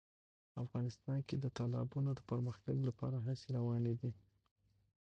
افغانستان کې د تالابونو د پرمختګ لپاره هڅې روانې دي.